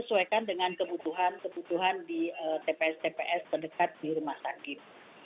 sesuaikan dengan kebutuhan kebutuhan di tps tps terdekat di rumah sakit